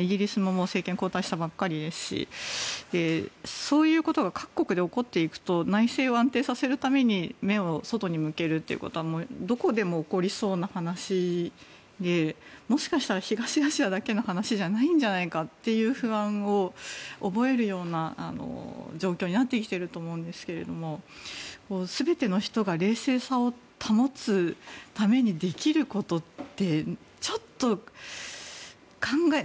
イギリスも政権交代したばかりですしそういうことが各国で起こっていくと内政を安定させるために目を外に向けるということはどこでも起こりそうな話でもしかしたら東アジアだけの話じゃないんじゃないかという不安を覚えるような状況になってきていると思うんですけれども全ての人が冷静さを保つためにできることってちょっと、考え。